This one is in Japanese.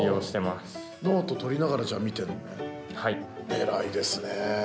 偉いですね。